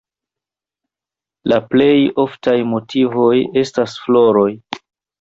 La plej oftaj motivoj esta floroj.